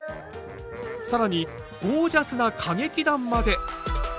更にゴージャスな歌劇団まで！？